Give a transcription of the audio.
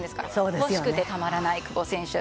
欲しくてたまらない、久保選手。